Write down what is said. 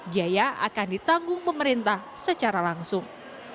biaya akan ditanggung pemerintah secara langsung